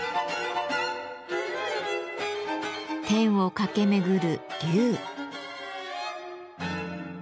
天を駆け巡る龍。